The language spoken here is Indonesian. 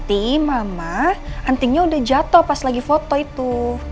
tapi mama antingnya udah jatoh pas lagi foto itu